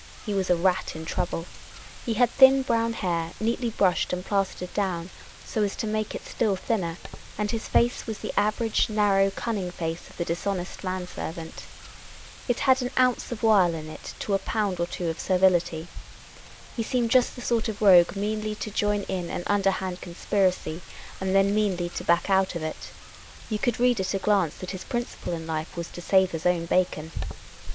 He was a rat in trouble. He had thin brown hair, neatly brushed and plastered down, so as to make it still thinner, and his face was the average narrow cunning face of the dishonest man servant. It had an ounce of wile in it to a pound or two of servility. He seemed just the sort of rogue meanly to join in an underhand conspiracy, and then meanly to back out of it. You could read at a glance that his principle in life was to sav^e his own bacon.